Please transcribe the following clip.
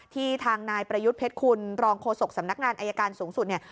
ที่ทางนายประยุทธ์เพชรคุณรองโฆษกสำนักงานอายการสูงสุดเนี่ย